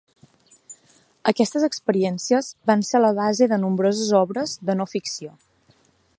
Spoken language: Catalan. Aquestes experiències van ser la base de nombroses obres de no ficció.